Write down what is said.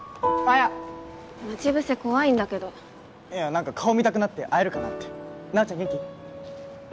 待ち伏せ怖いんだけどいや何か顔見たくなって会えるかなって奈緒ちゃん元気？